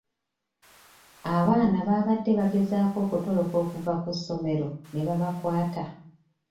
Abaana baabadde bagezaako okutoloka okuva ku ssomero ne babakwata.